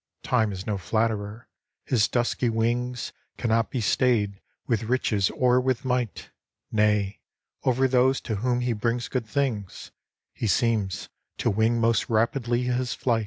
Time is no Flatterer — his dusky wings Cannot be stay'd with riches or with might ; Nay, over those to whom he brings good things He seems to wing most rapidly his flight.